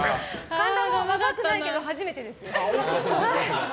神田も若くないけど初めてです。